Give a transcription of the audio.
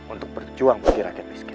untuk berjuang bagi rakyat miskin